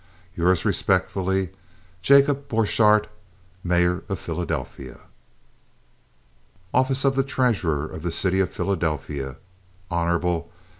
Yours respectfully, JACOB BORCHARDT, Mayor of Philadelphia. OFFICE OF THE TREASURER OF THE CITY OF PHILADELPHIA HON.